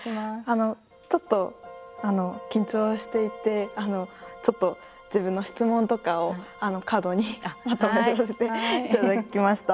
ちょっと緊張していてちょっと自分の質問とかをカードにまとめさせていただきました。